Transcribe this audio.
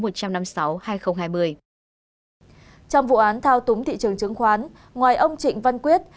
trong vụ án thao túng thị trường chứng khoán ngoài ông trịnh văn quyết